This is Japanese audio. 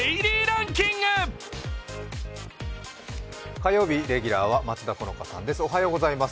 火曜日レギュラーは松田好花さんです。